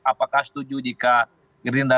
apakah setuju jika gerindra